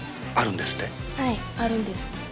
はい、あるんです。